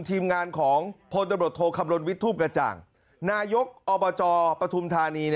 ทีมงานของพลตำรวจโทคำลนวิททูบกระจ่างนายกอบจปฐุมธานี